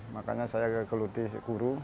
makanya saya kegeluti guru